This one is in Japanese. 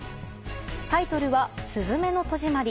タイトルは「すずめの戸締まり」。